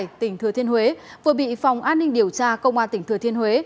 công an tỉnh thừa thiên huế vừa bị phòng an ninh điều tra công an tỉnh thừa thiên huế